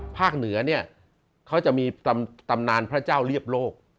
เหนือเนี่ยเขาจะมีตำนานพระเจ้าเรียบโลก